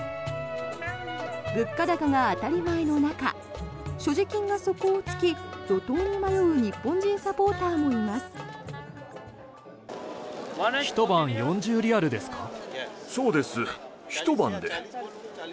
物価高が当たり前の中所持金が底を突き路頭に迷う日本人サポーターもいます。